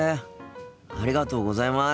ありがとうございます。